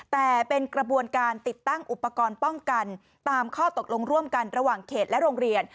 แต่เป็นกระบวนการติดตั้งอุปกรณ์ป้องกันตามข้อตกลงร่วมกันระหว่างเขตและโรงเรียน